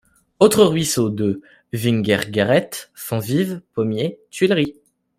Autres ruisseaux: de Vignegairet, Fontvive, Pommiers, Tuilerie.